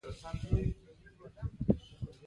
ساینس د عزت اسباب برابره وي